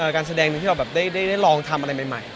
การแสดงหนึ่งที่เราแบบได้ลองทำอะไรใหม่